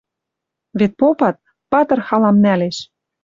Вет попат: патыр халам нӓлеш.